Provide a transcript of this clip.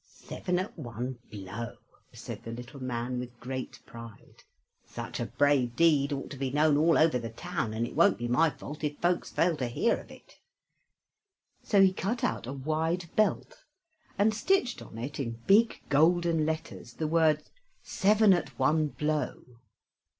"Seven at one blow!" said the little man with great pride. "Such a brave deed ought to be known all over the town, and it won't be my fault if folks fail to hear of it." So he cut out a wide belt, and stitched on it in big golden letters the words "Seven at one blow."